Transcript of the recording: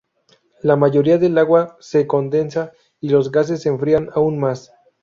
La mayoría del agua se condensa, y los gases se enfrían aún más.